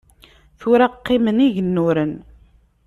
Tura qqimen igennuren.